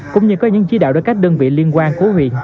cũng như có những chí đạo đối cách đơn vị liên quan của huyện